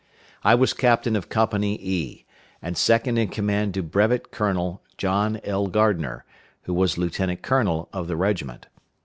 I was captain of Company E, and second in command to Brevet Colonel John L. Gardner, who was lieutenant colonel of the regiment.